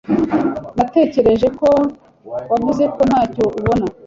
Natekereje ko wavuze ko ntacyo ubona.